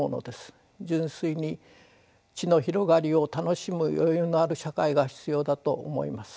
純粋に知の広がりを楽しむ余裕のある社会が必要だと思います。